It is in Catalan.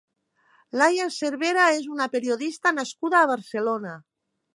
Laia Servera és una periodista nascuda a Barcelona.